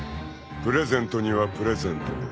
［プレゼントにはプレゼントを］